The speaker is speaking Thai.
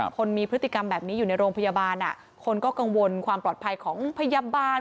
คนมีพฤติกรรมแบบนี้อยู่ในโรงพยาบาลคนก็กังวลความปลอดภัยของพยาบาล